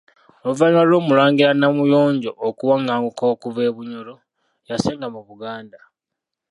Oluvannyuma lw’Omulangira Namuyonjo okuwaŋŋanguka okuva e Bunyoro, yasenga mu Buganda.